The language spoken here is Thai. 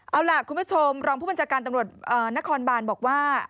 เอาล่ะคุณผู้ชมรองผู้บัญชาการตำรวจนครบานบอกว่า